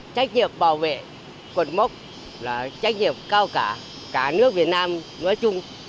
trách nhiệm bảo vệ cột mốc là trách nhiệm cao cả cả nước việt nam nói chung